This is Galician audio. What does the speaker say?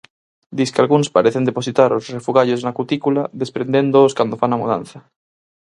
Disque algúns parecen depositar os refugallos na cutícula desprendéndoos cando fan a mudanza.